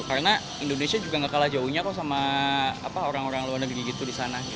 karena indonesia juga gak kalah jauhnya kok sama orang orang luar negeri gitu di sana